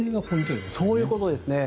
そういうことです。